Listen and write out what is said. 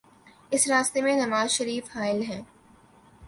اس راستے میں نوازشریف حائل ہیں۔